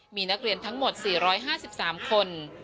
มีนักเรียนทั้งหมด๔๕๓คน